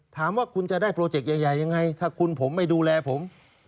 ถามว่าคุณจะได้โปรเจกต์ใหญ่ยังไงถ้าคุณผมไม่ดูแลผม